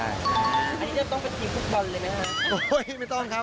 อันนี้เรียกต้องไปทีฟุตบอลเลยมั้ยคะ